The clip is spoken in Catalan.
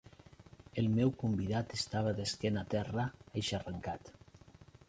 El meu convidat estava d'esquena a terra, eixancarrat.